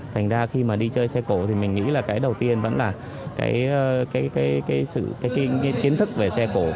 mình đi chơi xe cổ thì mình nghĩ là cái đầu tiên vẫn là cái kiến thức về xe cổ